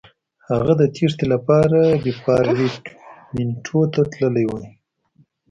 هغه د تېښتې لپاره ریپارټیمنټو ته تللی وای.